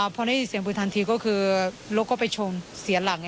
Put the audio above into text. พอได้ยินเสียงปืนทันทีก็คือรถก็ไปชนเสียหลัง